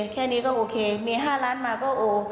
แค่นี้ก็โอเคมี๕ล้านมาก็โอ